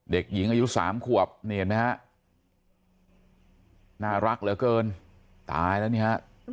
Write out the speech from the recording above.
เด็กหญิงอายุสามขวบนี่เห็นไหมฮะน่ารักเหลือเกินตายแล้วนี่ฮะ